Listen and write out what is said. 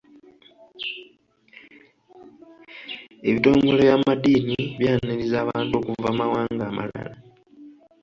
Ebitongole by'amaddiini byaniriza abantu okuva mu mawanga amalala.